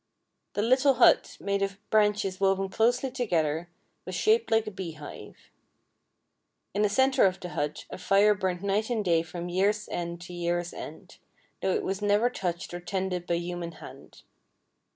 The little hut, made of branches woven closely together, was shaped like a beehive. In the center of the hut a fire burned night and day from year's end to year's end, though it was never touched or tended by human hand.